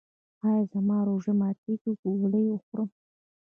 ایا زما روژه ماتیږي که ګولۍ وخورم؟